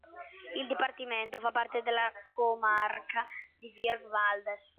Il dipartimento fa parte della comarca di Virch-Valdes.